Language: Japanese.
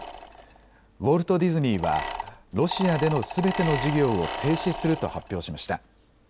ウォルト・ディズニーはロシアでのすべての事業を停止すると発表しました。